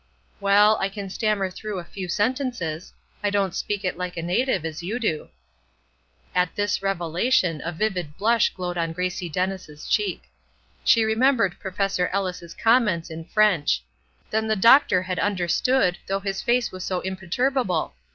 "Well, I can stammer through a few sentences. I don't speak it like a native as you do." At this revelation a vivid blush glowed on Gracie Dennis' cheek. She remembered Professor Ellis' comments in French. Then the doctor had understood, though his face was so imperturbable!